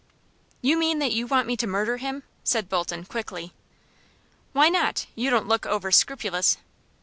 "You mean that you want me to murder him?" said Bolton, quickly. "Why not? You don't look over scrupulous."